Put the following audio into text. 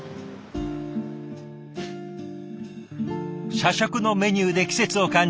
社食のメニューで季節を感じ